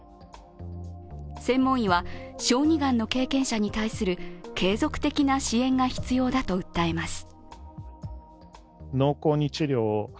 専門医は小児がんの経験者に対する継続的な支援が必要だと訴えます。